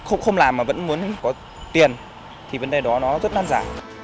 không làm mà vẫn muốn có tiền thì vấn đề đó nó rất là năn giả